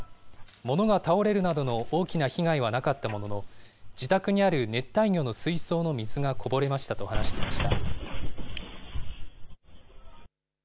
物が倒れるなどの大きな被害はなかったものの、自宅にある熱帯魚の水槽の水がこぼれましたと話していました。